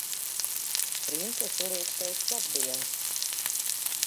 Princese liek teikt labdienas!